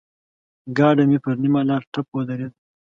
ګاډی مې پر نيمه لاره ټپ ودرېد.